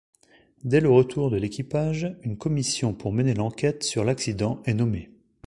Dès le retour de l'équipage, une commission pour mener l'enquête sur l'accident est nommée.